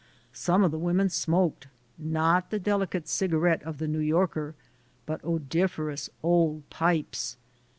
Some of the women smoked, not the delicate cigarette of the New Yorker, but odoriferous old pipes.